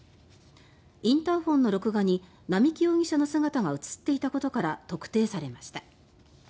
インターホンの録画に並木容疑者の姿が映っていたことから特定されました。